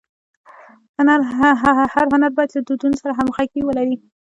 هر هنر باید له دودونو سره همږغي ولري.